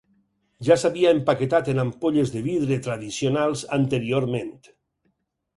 Ja s'havia empaquetat en ampolles de vidre tradicionals anteriorment.